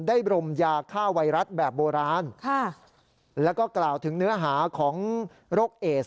บรมยาฆ่าไวรัสแบบโบราณค่ะแล้วก็กล่าวถึงเนื้อหาของโรคเอส